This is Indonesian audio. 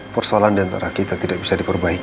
persoalan di antara kita tidak bisa diperbaiki lagi